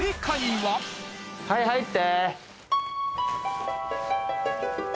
はい入って。